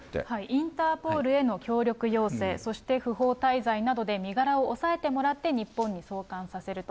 インターポールへの協力要請、そして不法滞在などで身柄を抑えてもらって日本に送還させると。